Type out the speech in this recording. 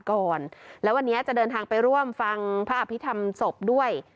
ก่อนแล้ววันนี้จะเดินทางไปร่วมฟังภาพที่ทำศพด้วย